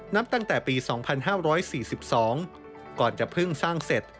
นับตั้งแต่ปี๒๕๔๒ก่อนจะเพิ่งสร้างเสร็จ